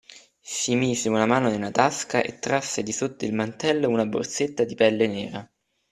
Si mise una mano nella tasca e trasse di sotto il mantello una borsetta di pelle nera.